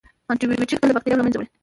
انټيبیوټیک درمل باکتریاوې له منځه وړي.